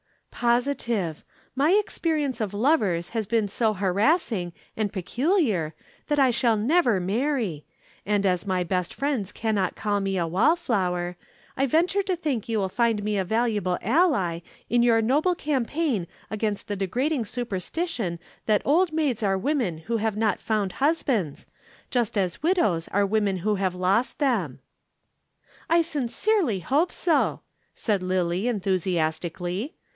"Positive. My experience of lovers has been so harassing and peculiar that I shall never marry, and as my best friends cannot call me a wall flower, I venture to think you will find me a valuable ally in your noble campaign against the degrading superstition that Old Maids are women who have not found husbands, just as widows are women who have lost them." "I sincerely hope so," said Lillie enthusiastically.